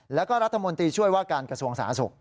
แล้วก็รัฐมนตรีช่วยวกันกระทรวงศาสุข